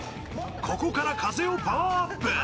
ここから風をパワーアップ